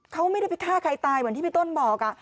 เขาไม่ได้ไปฆ่าใครตายเหมือนที่พี่ต้นบอก